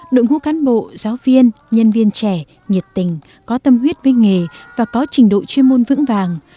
đội ngũ cán bộ giáo viên nhân viên trẻ nhiệt tình có tâm huyết với nghề và có trình độ chuyên môn vững vàng